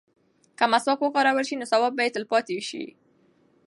که مسواک وکارول شي نو ثواب به یې تل پاتې وي.